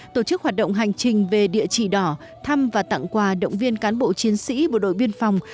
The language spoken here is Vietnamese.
tổ chức hoạt động hành trình về địa chỉ đỏ thăm và tặng quà động viên cán bộ chiến sĩ bộ đội biên phòng